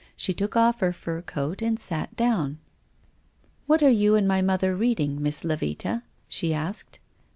She took off her fur coat and sat down. " What are you and my mother reading, Miss Levita ?" she asked.